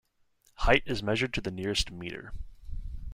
Height is measured to the nearest metre.